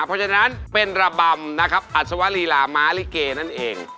บำนะครับอัศวลีลามาริเกย์นั่นเอง